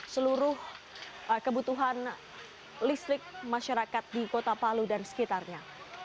seluruh kebutuhan listrik masyarakat di kota palu dan sekitarnya